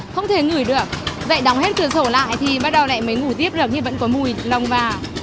không thể ngửi được dạy đóng hết cửa sổ lại thì bắt đầu lại mới ngủ tiếp được như vẫn có mùi lồng vào